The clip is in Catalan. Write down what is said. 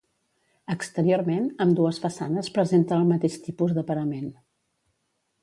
Exteriorment, ambdues façanes presenten el mateix tipus de parament.